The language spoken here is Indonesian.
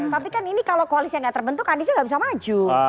tapi kan ini kalau koalisnya gak terbentuk aniesnya nggak bisa maju